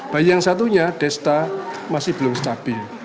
bayi yang satunya desta masih belum stabil